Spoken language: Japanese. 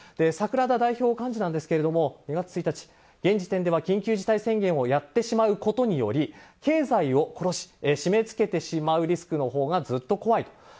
桜田代表幹事なんですが２月１日現時点では緊急事態宣言をやってしまうことにより経済を殺し締め付けてしまうリスクのほうがずっと怖いと。